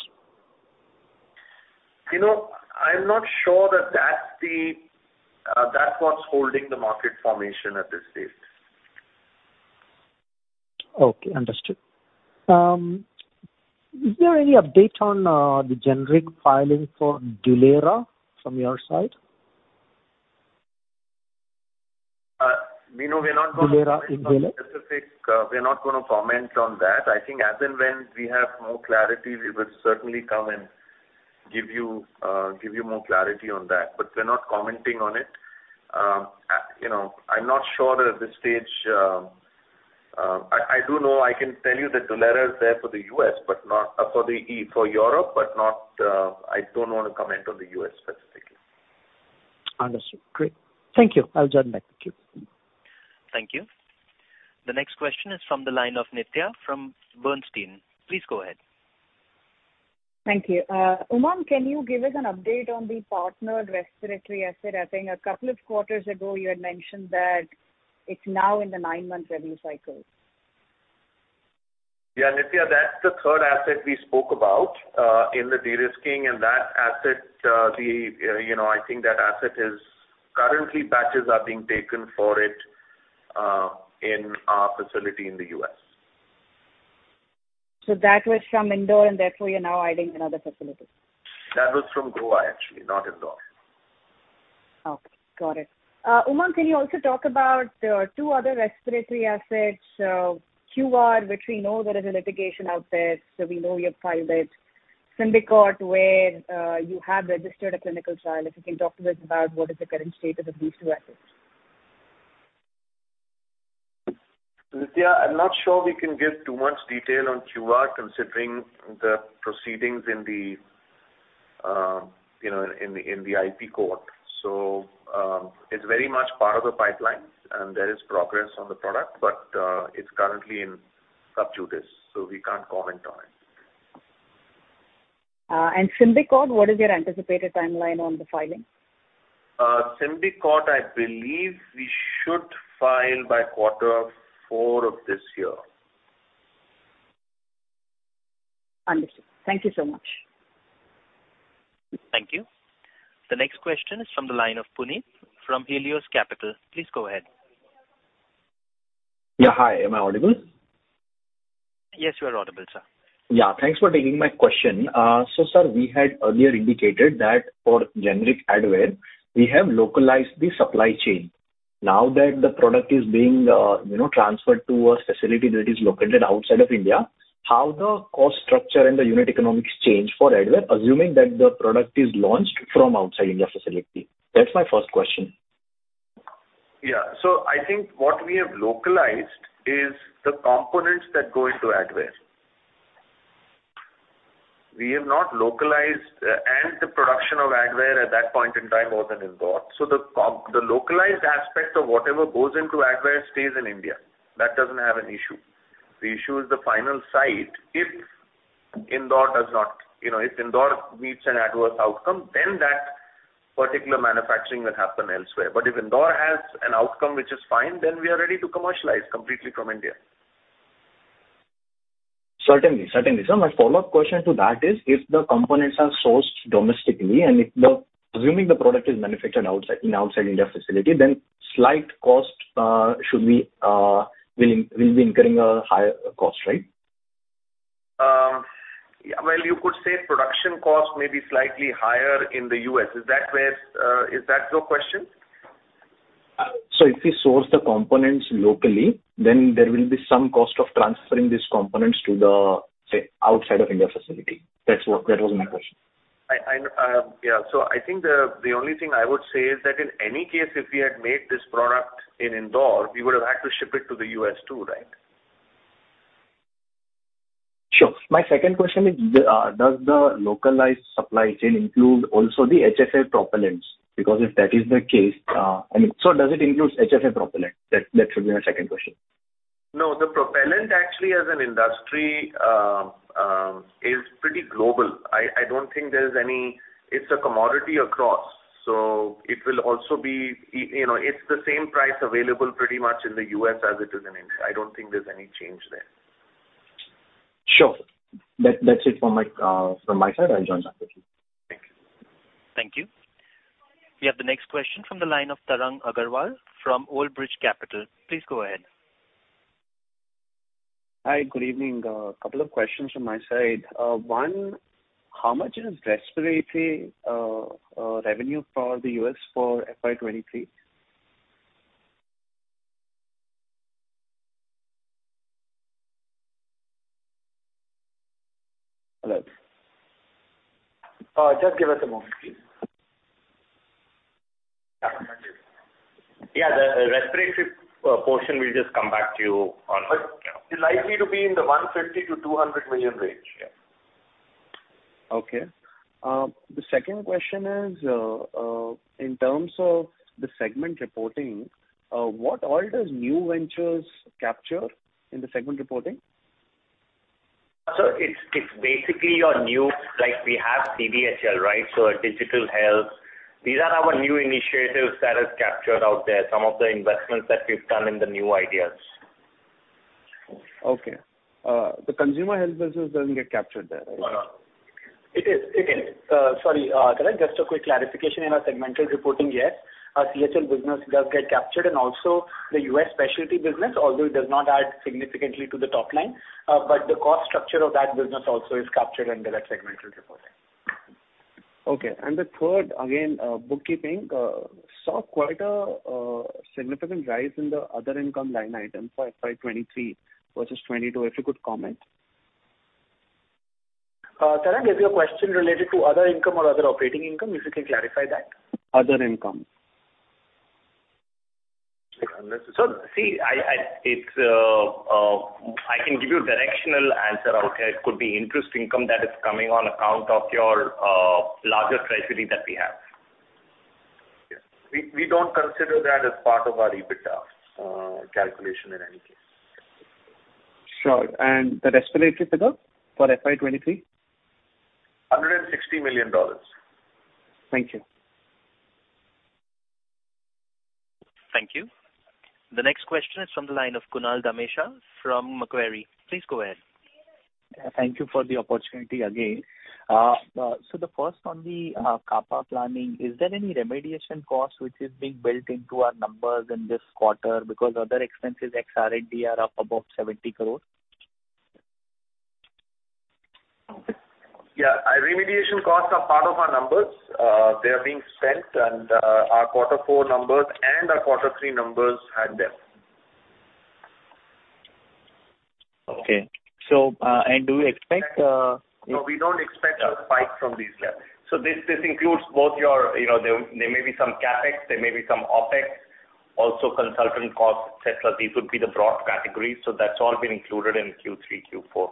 You know, I'm not sure that that's the, that's what's holding the market formation at this stage. Understood. Is there any update on the generic filing for Dulera from your side? Bino, we're not gonna... Dulera. Be specific. We're not gonna comment on that. I think as and when we have more clarity, we will certainly come and give you more clarity on that. We're not commenting on it. you know, I'm not sure that at this stage. I do know, I can tell you that Dulera is there for the US, but not for Europe, but not. I don't wanna comment on the U.S. specifically. Understood. Great. Thank you. I'll join back. Thank you. Thank you. The next question is from the line of Nithya from Bernstein. Please go ahead. Thank you. Umang, can you give us an update on the partnered respiratory asset? I think a couple of quarters ago you had mentioned that it's now in the nine-month review cycle. Yeah, Nithya, that's the third asset we spoke about in the de-risking and that asset, the, you know, I think that asset is currently batches are being taken for it in our facility in the U.S. That was from Indore, and therefore you're now adding another facility. That was from Goa, actually, not Indore. Okay. Got it. Umang, can you also talk about the two other respiratory assets, QVAR, which we know there is a litigation out there, so we know you have filed it. Symbicort, where you have registered a clinical trial. If you can talk to us about what is the current status of these two assets. Nithya, I'm not sure we can give too much detail on QVAR considering the proceedings in the, you know, in the IP court. It's very much part of the pipeline and there is progress on the product, but it's currently in sub judice, so we can't comment on it. Symbicort, what is your anticipated timeline on the filing? Symbicort, I believe we should file by quarter four of this year. Understood. Thank you so much. Thank you. The next question is from the line of Punit from Helios Capital. Please go ahead. Yeah. Hi, am I audible? Yes, you are audible, sir. Thanks for taking my question. So, sir, we had earlier indicated that for generic Aggrenox, we have localized the supply chain. Now that the product is being, you know, transferred to a facility that is located outside of India, how the cost structure and the unit economics change for Aggrenox, assuming that the product is launched from outside India facility? That's my first question. I think what we have localized is the components that go into Aggrenox. We have not localized... and the production of Aggrenox at that point in time was in Indore. The localized aspect of whatever goes into Aggrenox stays in India. That doesn't have an issue. The issue is the final site. If Indore does not, you know, if Indore meets an adverse outcome, then that particular manufacturing will happen elsewhere. If Indore has an outcome which is fine, then we are ready to commercialize completely from India. Certainly. My follow-up question to that is if the components are sourced domestically and assuming the product is manufactured outside India facility, then slight cost, will be incurring a higher cost, right? You could say production cost may be slightly higher in the U.S. Is that where, is that your question? If we source the components locally, then there will be some cost of transferring these components to the, say, outside of India facility. That was my question. I, yeah. I think the only thing I would say is that in any case, if we had made this product in Indore, we would have had to ship it to the U.S. too, right? Sure. My second question is does the localized supply chain include also the HFA propellants? Because if that is the case, I mean, does it include HFA propellant? That should be my second question. The propellant actually as an industry is pretty global. It's a commodity across, so it will also be you know, it's the same price available pretty much in the U.S. as it is in India. I don't think there's any change there. Sure. That's it from my side. I'll join back with you. Thank you. Thank you. We have the next question from the line of Tarang Agrawal from Old Bridge Capital. Please go ahead. Hi. Good evening. Couple of questions from my side. One, how much is respiratory revenue for the US for FY 2023? Hello? Just give us a moment, please. Yeah. The respiratory portion we'll just come back to you on that, yeah. It's likely to be in the $150 million-$200 million range, yeah. Okay. The second question is, in terms of the segment reporting, what all does new ventures capture in the segment reporting? It's basically your new, like we have CDHL, right? Our digital health. These are our new initiatives that is captured out there, some of the investments that we've done in the new ideas. Okay. The consumer health business doesn't get captured there, right? No, no. It is. It is. Sorry, Tarang, just a quick clarification in our segmental reporting. Yes, our CHL business does get captured and also the U.S. specialty business, although it does not add significantly to the top line, but the cost structure of that business also is captured under that segmental reporting. Okay. The third, again, bookkeeping, saw quite a significant rise in the other income line item for FY 2023 versus 2022. If you could comment. Tarang, is your question related to other income or other operating income? If you can clarify that. Other income. See, I can give you a directional answer out here. It could be interest income that is coming on account of your larger treasury that we have. We don't consider that as part of our EBITDA calculation in any case. Sure. The respiratory figure for FY 2023? $160 million. Thank you. Thank you. The next question is from the line of Kunal Dhamesha from Macquarie. Please go ahead. Yeah, thank you for the opportunity again. The first on the CAPA planning, is there any remediation cost which is being built into our numbers in this quarter because other expenses ex R&D are up about INR 70 crores? Yeah. Remediation costs are part of our numbers. They are being spent and, our quarter four numbers and our quarter three numbers had them. Okay. Do you expect No, we don't expect a spike from these. Yeah. This includes both your, you know. There may be some CapEx, there may be some OpEx, also consultant costs, et cetera. These would be the broad categories. That's all been included in Q3, Q4.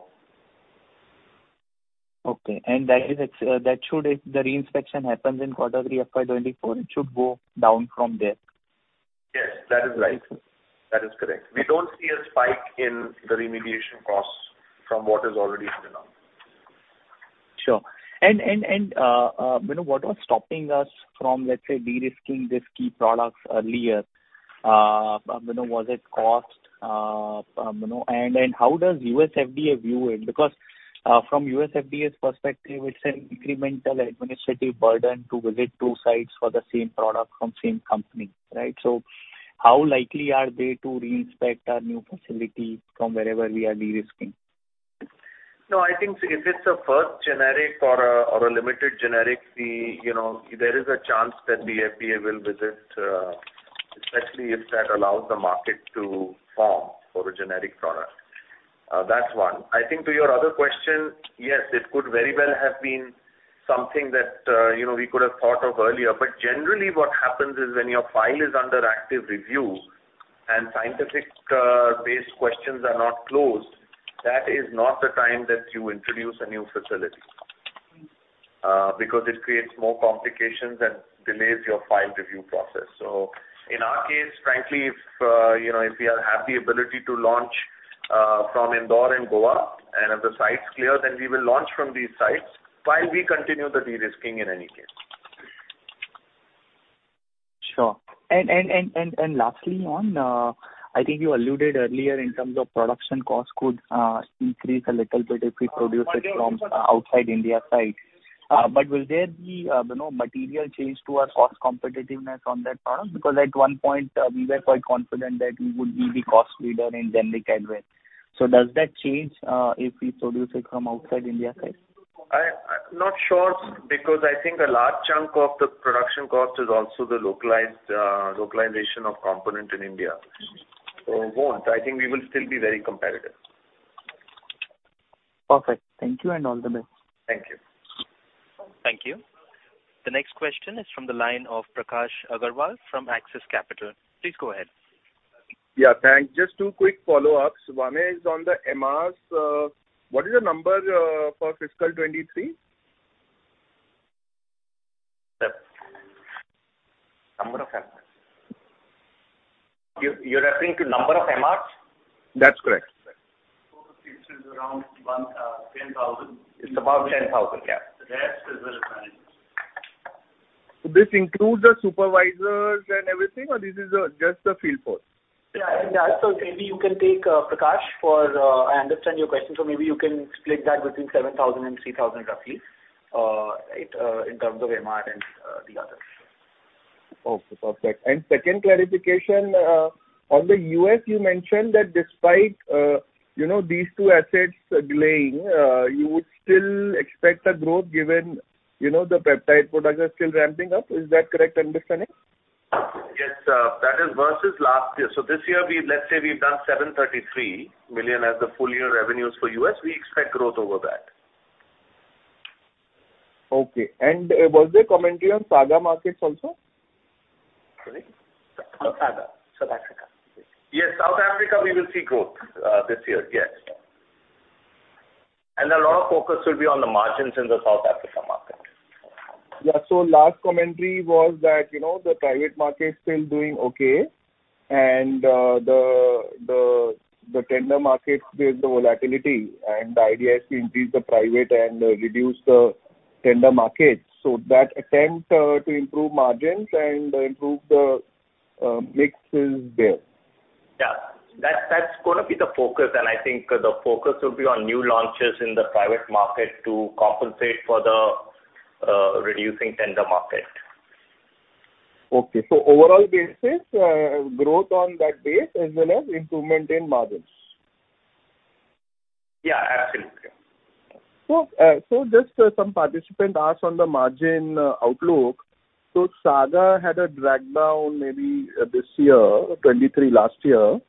Okay. That should, if the re-inspection happens in quarter 3 FY 2024, it should go down from there. Yes, that is right. That is correct. We don't see a spike in the remediation costs from what is already in the numbers. Sure. What was stopping us from, let's say, de-risking these key products earlier? You know, was it cost? How does U.S. FDA view it? Because from U.S. FDA's perspective, it's an incremental administrative burden to visit two sites for the same product from same company, right? How likely are they to re-inspect our new facility from wherever we are de-risking? No, I think if it's a first generic or a, or a limited generic, we, you know, there is a chance that the FDA will visit, especially if that allows the market to form for a generic product. That's one. I think to your other question, yes, it could very well have been something that, you know, we could have thought of earlier. Generally what happens is when your file is under active review and scientific, based questions are not closed, that is not the time that you introduce a new facility, because it creates more complications and delays your file review process. In our case, frankly, if, you know, if we are, have the ability to launch, from Indore and Goa and if the site's clear, then we will launch from these sites while we continue the de-risking in any case. Sure. Lastly on, I think you alluded earlier in terms of production costs could increase a little bit if we produce it from outside India site. Will there be, you know, material change to our cost competitiveness on that product? Because at one point, we were quite confident that we would be the cost leader in generic Advair. Does that change if we produce it from outside India site? I'm not sure because I think a large chunk of the production cost is also the localized localization of component in India. I think we will still be very competitive. Perfect. Thank you and all the best. Thank you. Thank you. The next question is from the line of Prakash Agarwal from Axis Capital. Please go ahead. Yeah, thanks. Just two quick follow-ups. One is on the MRs. What is the number for fiscal 2023? The number of MRs? You're referring to number of MRs? That's correct. Total seats is around 10,000. It's about 10,000, yeah. The rest is well managed. This includes the supervisors and everything, or this is just the field force? Yeah, that. Maybe you can take Prakash for. I understand your question. Maybe you can split that between 7,000 and 3,000 roughly, it in terms of MR and the others. Okay, perfect. Second clarification, on the U.S. you mentioned that despite, you know, these two assets delaying, you would still expect a growth given, you know, the peptide products are still ramping up. Is that correct understanding? Yes. That is versus last year. This year let's say we've done $733 million as the full year revenues for U.S. We expect growth over that. Okay. Was there commentary on SAGA markets also? Sorry. SAGA. South Africa. Yes, South Africa we will see growth this year. Yes. A lot of focus will be on the margins in the South Africa market. Yeah. Last commentary was that, you know, the private market is still doing okay and the tender market with the volatility and the idea is to increase the private and reduce the tender market. That attempt to improve margins and improve the mix is there. Yeah. That's gonna be the focus, and I think the focus will be on new launches in the private market to compensate for the reducing tender market. Okay. Overall basis, growth on that base as well as improvement in margins. Yeah, absolutely. Just, some participant asked on the margin outlook. SAGA had a drag down maybe this year, 2023 last year.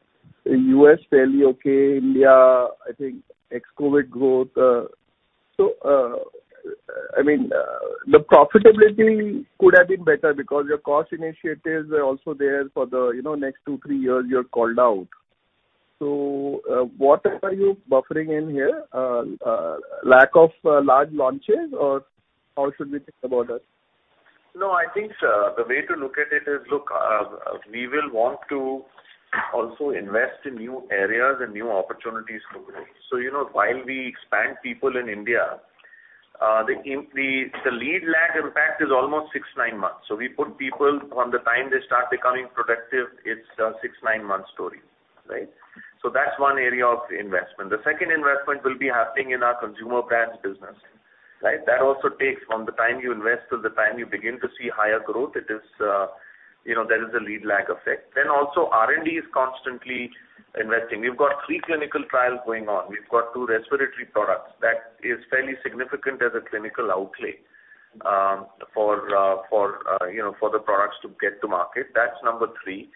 In U.S., fairly okay. India, I think ex-COVID growth. I mean, the profitability could have been better because your cost initiatives are also there for the, you know, next two, three years you have called out. What are you buffering in here? Lack of large launches or how should we think about it? No, I think, the way to look at it is, we will want to also invest in new areas and new opportunities to grow. You know, while we expand people in India, the lead lag impact is almost six, nine months. We put people from the time they start becoming productive, it's a six, nine-month story. Right? That's one area of investment. The second investment will be happening in our consumer brands business. Right? That also takes from the time you invest to the time you begin to see higher growth. It is, you know, there is a lead lag effect. Also R&D is constantly investing. We've got three clinical trials going on. We've got two respiratory products. That is fairly significant as a clinical outlay, you know, for the products to get to market. That's number three.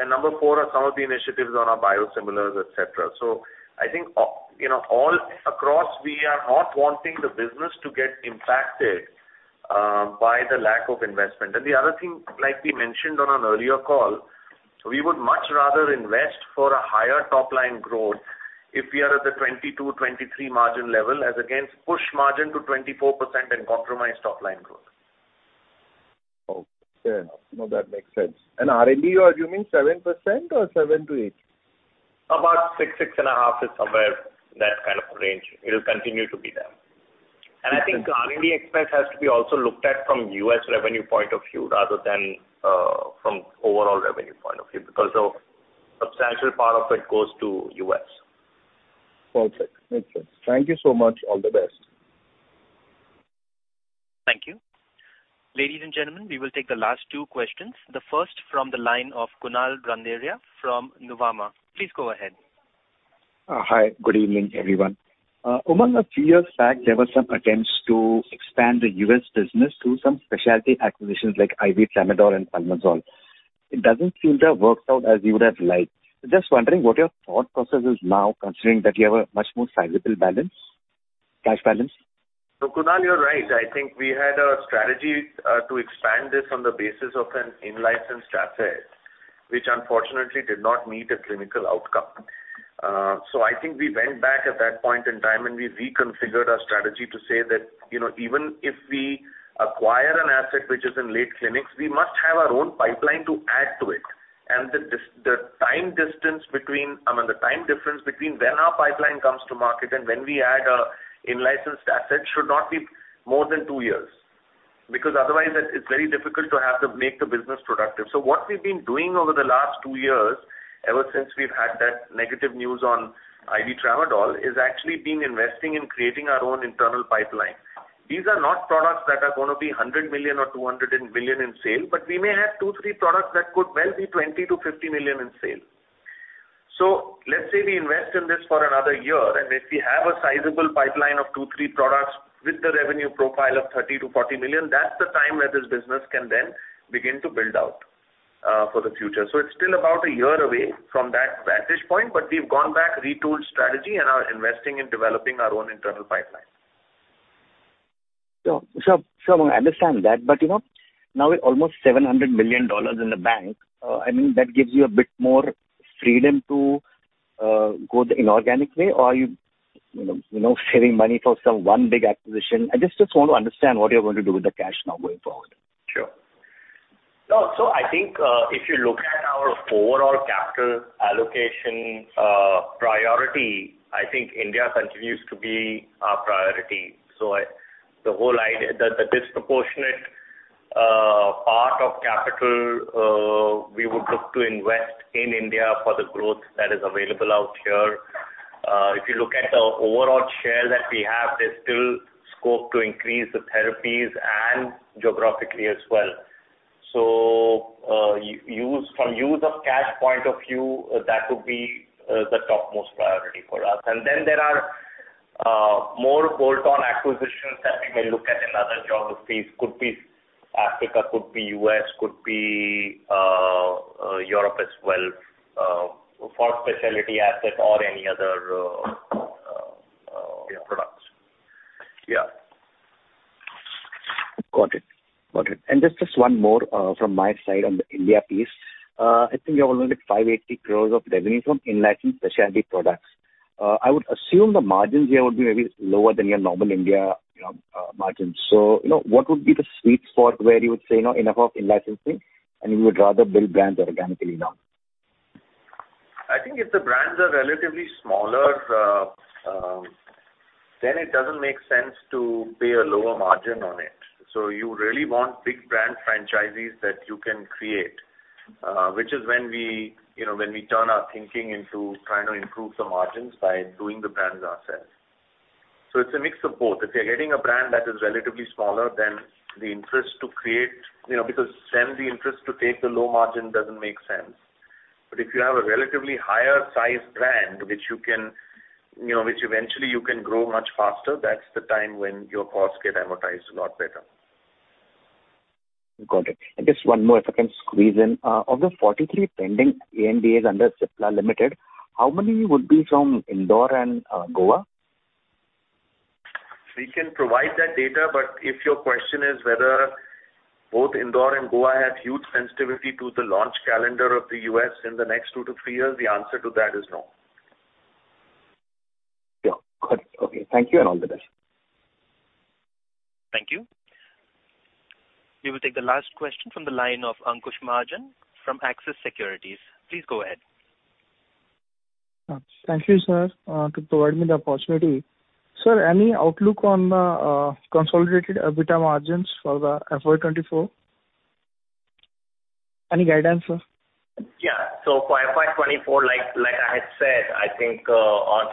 Number four are some of the initiatives on our biosimilars, et cetera. I think, you know, all across, we are not wanting the business to get impacted by the lack of investment. The other thing, like we mentioned on an earlier call, we would much rather invest for a higher top line growth if we are at the 22%, 23% margin level as against push margin to 24% and compromise top line growth. Okay, fair enough. No, that makes sense. R&D, you're assuming 7% or 7%-8%? About 6.5% is somewhere that kind of range. It'll continue to be there. I think R&D expense has to be also looked at from U.S. revenue point of view rather than from overall revenue point of view because a substantial part of it goes to U.S. Perfect. Makes sense. Thank you so much. All the best. Thank you. Ladies and gentlemen, we will take the last two questions, the first from the line of Kunal Randeria from Nuvama. Please go ahead. Hi. Good evening, everyone. Umang, a few years back, there were some attempts to expand the U.S. business through some specialty acquisitions like IV Tramadol and Pulmazole. It doesn't seem to have worked out as you would have liked. Just wondering what your thought process is now considering that you have a much more sizable balance, cash balance? Kunal, you're right. I think we had a strategy to expand this on the basis of an in-licensed asset, which unfortunately did not meet a clinical outcome. I think we went back at that point in time and we reconfigured our strategy to say that, you know, even if we acquire an asset which is in late clinics, we must have our own pipeline to add to it. The time distance between, I mean, the time difference between when our pipeline comes to market and when we add a in-licensed asset should not be more than two years because otherwise it's very difficult to make the business productive. What we've been doing over the last two years, ever since we've had that negative news on IV Tramadol, is actually been investing in creating our own internal pipeline. These are not products that are gonna be 100 million or 200 million in sale, but we may have two, three products that could well be 20 million-50 million in sale. Let's say we invest in this for another year, if we have a sizable pipeline of two, three products with the revenue profile of 30 million-40 million, that's the time that this business can then begin to build out for the future. It's still about a year away from that vantage point, but we've gone back, retooled strategy and are investing in developing our own internal pipeline. Sure. Sure. Sure, I understand that. You know, now with almost $700 million in the bank, I mean, that gives you a bit more freedom to go the inorganic way. Or are you know, saving money for some one big acquisition? I just want to understand what you're going to do with the cash now going forward. Sure. I think, if you look at our overall capital allocation, priority, I think India continues to be our priority. The whole idea, the disproportionate part of capital, we would look to invest in India for the growth that is available out here. If you look at the overall share that we have, there's still scope to increase the therapies and geographically as well. From use of cash point of view, that would be the topmost priority for us. There are more bolt-on acquisitions that we may look at in other geographies. Could be Africa, could be U.S., could be Europe as well, for specialty asset or any other products. Got it. Got it. Just one more from my side on the India piece. I think you have only 580 crores of revenue from in-licensed specialty products. I would assume the margins here would be maybe lower than your normal India, you know, margins. You know, what would be the sweet spot where you would say, "No, enough of in-licensing," and you would rather build brands organically now? I think if the brands are relatively smaller, then it doesn't make sense to pay a lower margin on it. You really want big brand franchises that you can create, which is when we, you know, when we turn our thinking into trying to improve the margins by doing the brands ourselves. It's a mix of both. If you're getting a brand that is relatively smaller, then the interest to create, you know, because then the interest to take the low margin doesn't make sense. If you have a relatively higher sized brand which you can, you know, which eventually you can grow much faster, that's the time when your costs get amortized a lot better. Got it. Just one more if I can squeeze in. Of the 43 pending ANDAs under Cipla Limited, how many would be from Indore and Goa? We can provide that data, but if your question is whether both Indore and Goa have huge sensitivity to the launch calendar of the U.S. in the next two to three years, the answer to that is no. Yeah. Got it. Okay. Thank you, all the best. Thank you. We will take the last question from the line of Ankush Mahajan from Axis Securities. Please go ahead. Thank you, sir, to provide me the opportunity. Sir, any outlook on the consolidated EBITDA margins for the FY 2024? Any guidance, sir? Yeah. For FY 2024, like I said, I think, on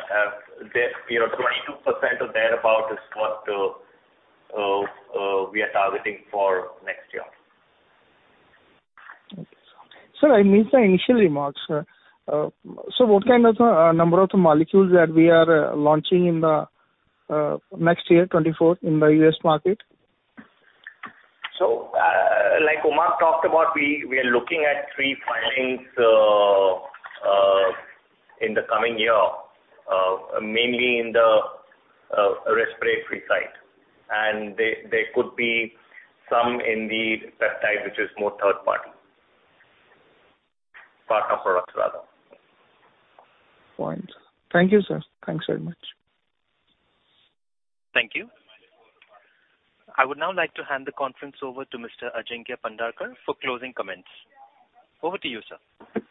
this, you know, 22% or thereabout is what we are targeting for next year. Okay. Sir, I missed the initial remarks, sir. What kind of number of molecules that we are launching in the next year, 2024, in the U.S. market? Like Umang talked about, we are looking at three filings in the coming year, mainly in the respiratory side. There could be some in the peptide, which is more third party. Partner products, rather. Fine. Thank you, sir. Thanks very much. Thank you. I would now like to hand the conference over to Mr. Ajinkya Pandharkar for closing comments. Over to you, sir.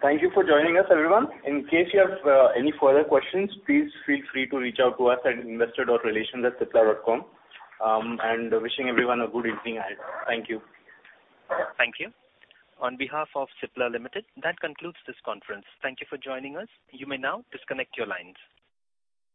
Thank you for joining us, everyone. In case you have any further questions, please feel free to reach out to us at investor.relations@cipla.com. Wishing everyone a good evening ahead. Thank you. Thank you. On behalf of Cipla Limited, that concludes this conference. Thank you for joining us. You may now disconnect your lines.